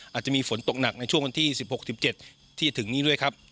อาจจะมีฝนตกหนักในช่วงวันที่๑๖๑๗ที่จะถึงนี้ด้วยครับ